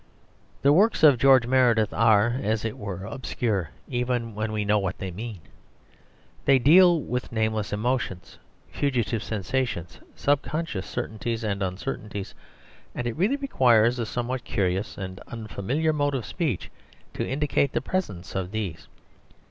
The works of George Meredith are, as it were, obscure even when we know what they mean. They deal with nameless emotions, fugitive sensations, subconscious certainties and uncertainties, and it really requires a somewhat curious and unfamiliar mode of speech to indicate the presence of these.